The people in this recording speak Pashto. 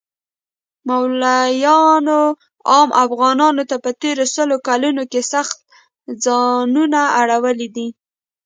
مولایانو عام افغانانو ته په تیرو سلو کلو کښی سخت ځیانونه اړولی دی